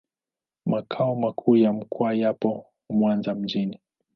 Makao makuu ya mkoa yapo Mwanza mjini.